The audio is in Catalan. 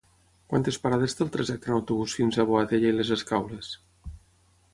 Quantes parades té el trajecte en autobús fins a Boadella i les Escaules?